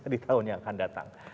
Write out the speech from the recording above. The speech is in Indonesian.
di tahun yang akan datang